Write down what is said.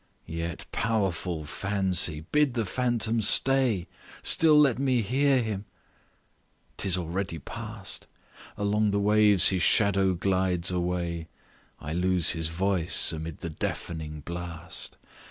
"Yet, powerful Fancy, bid the phantom stay, Still let me hear him! 'Tis already past; Along the waves his shadow glides away, I lose his voice amid the deafening blast.